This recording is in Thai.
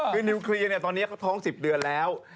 คือนิวเคลียร์เนี่ยตอนนี้เขาท้อง๑๐เดือนแล้ว